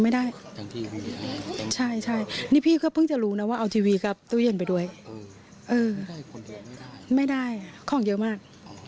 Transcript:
ไม่ได้ของเยอะมาก